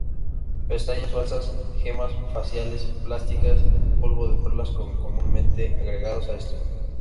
Pestañas falsas, gemas faciales plásticas, y polvo de perlas son comúnmente agregados a esto.